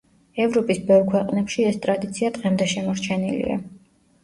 ევროპის ბევრ ქვეყნებში ეს ტრადიცია დღემდე შემორჩენილია.